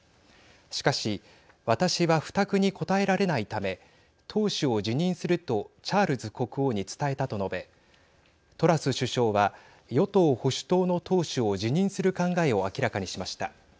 しかし私は負託に応えられないため党首を辞任するとチャールズ国王に伝えたと述べトラス首相は与党・保守党の党首を辞任する考えを明らかにしました。